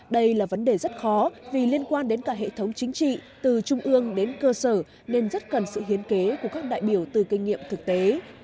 đây là vấn đề rất khó vì liên quan đến cả hệ thống chính trị từ trung ương đến cơ sở nên rất cần sự hiến kế của các đại biểu từ kinh nghiệm thực tế